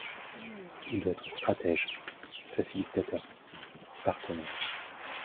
Il doit être stratège, facilitateur, partenaire.